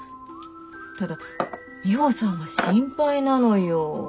ただミホさんが心配なのよ。